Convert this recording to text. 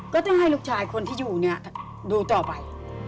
ก็จะให้ลูกชายคนที่อยู่เนี่ยดูต่อไป